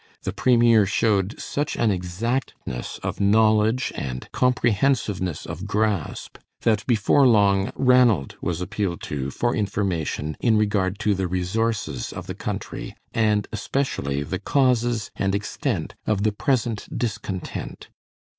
The premier showed such an exactness of knowledge and comprehensiveness of grasp that before long Ranald was appealed to for information in regard to the resources of the country, and especially the causes and extent of the present discontent.